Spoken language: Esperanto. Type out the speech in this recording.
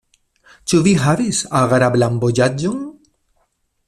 Ĉu vi havis agrablan vojaĝon?